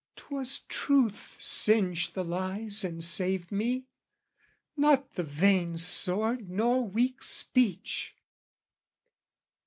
'Twas truth singed the lies And saved me, not the vain sword nor weak speech!